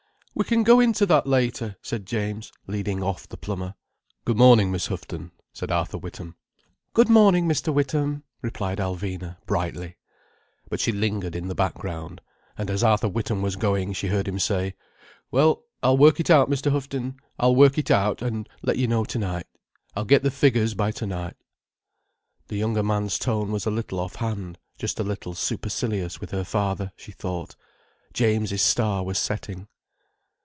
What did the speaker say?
"We can go into that later," said James, leading off the plumber. "Good morning, Miss Houghton," said Arthur Witham. "Good morning, Mr. Witham," replied Alvina brightly. But she lingered in the background, and as Arthur Witham was going she heard him say: "Well, I'll work it out, Mr. Houghton. I'll work it out, and let you know tonight. I'll get the figures by tonight." The younger man's tone was a little off hand, just a little supercilious with her father, she thought. James's star was setting.